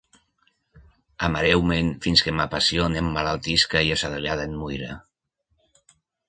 Amareu-me’n, fins que ma passió n’emmalaltisca i assadollada en muira.